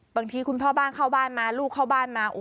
บางทีคุณพ่อบ้านเข้าบ้านมาลูกเข้าบ้านมา